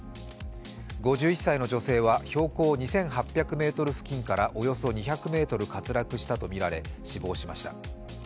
５１歳の女性は標高２８００ｍ付近からおよそ２００ｍ滑落したとみられ死亡しました。